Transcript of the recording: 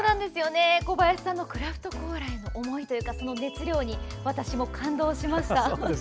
小林さんのクラフトコーラへの思い、熱量に私も感動しました。